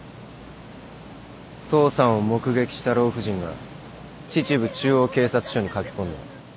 父さんを目撃した老婦人が秩父中央警察署に駆け込んだ。